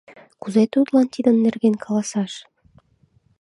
Кузе тудлан тидын нерген каласаш?